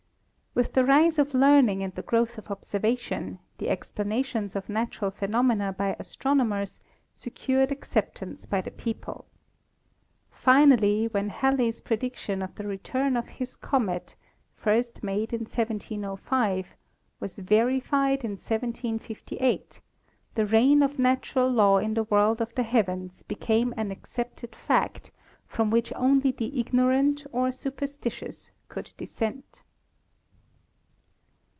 With the rise of learning and the growth of observation, the explanations of natural phenomena by astronomers secured acceptance by the people. Finally, when Halley's prediction of the return of his comet, first made in 1705, was verified in 1758, the reign of natural law in the world of the heavens be came an accepted fact, from which only the ignorant or superstitious could dissent.